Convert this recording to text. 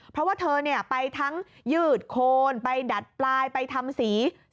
เพราะว่าเธอไปทั้งยืดโคนไปดัดปลายไปทำสี